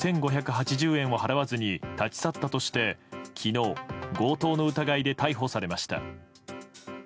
２５８０円を払わずに立ち去ったとして、昨日強盗の疑いで逮捕されました。